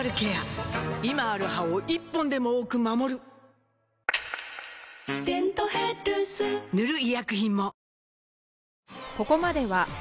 今ある歯を１本でも多く守る「デントヘルス」塗る医薬品も